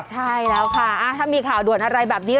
ใช่แล้วค่ะถ้ามีข่าวด่วนอะไรแบบนี้